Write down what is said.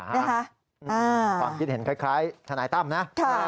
ความคิดเห็นคล้ายทนายตั้มนะ